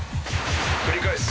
繰り返す。